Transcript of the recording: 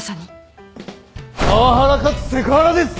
パワハラかつセクハラです！